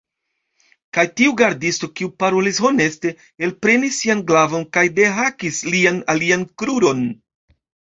Kaj tiu gardisto, kiu parolis honeste, elprenis sian glavon kaj dehakis lian alian kruron.